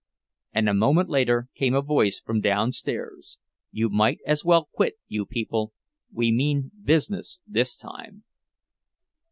And a moment later came a voice from downstairs: "You might as well quit, you people. We mean business, this time."